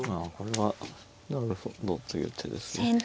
あこれはなるほどという手ですね。